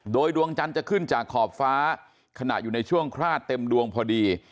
โดยดวงจันทร์จะขึ้นจากขอบฟ้าขณะอยู่ในช่วงคลาดเต็มดวงพอดี